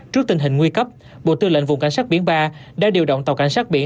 trước tình hình nguy cấp bộ tư lệnh vùng cảnh sát biển ba đã điều động tàu cảnh sát biển sáu nghìn tám